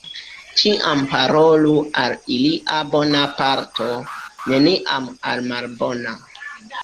Ĉiam parolu al ilia bona parto, neniam al la malbona.